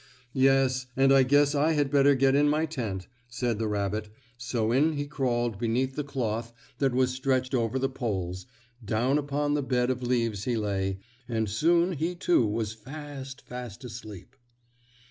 "Yes, and I guess I had better get in my tent," said the rabbit, so in he crawled beneath the cloth that was stretched over the poles, down upon the bed of leaves he lay, and soon he too was fast, fast asleep.